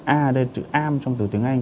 a ở đây là chữ am trong từ tiếng anh